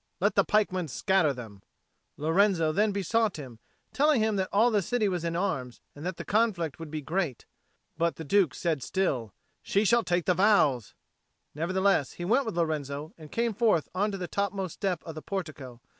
Let the pikemen scatter them." Lorenzo then besought him, telling him that all the city was in arms, and that the conflict would be great. But the Duke said still, "She shall take the vows!" Nevertheless he went with Lorenzo, and came forth on to the topmost step of the portico.